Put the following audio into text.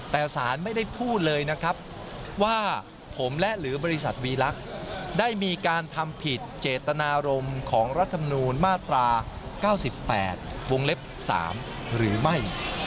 แต่สารไม่ได้พูดเลยนะครับว่าผมและหรือบริษัทวีลักษณ์ได้มีการทำผิดเจตนารมณ์ของรัฐมนูลมาตรา๙๘วงเล็บ๓หรือไม่